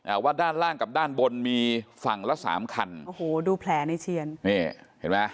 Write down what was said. ว่าด้านล่างกับด้านบนมีฝั่งละสามคันโอ้โหดูแผลในเชียนนี่เห็นไหม